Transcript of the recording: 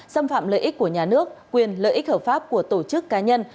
xâm phạm lợi ích của nhà nước quyền lợi ích hợp pháp của tổ chức cá nhân